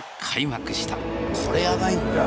これやばいんだよ。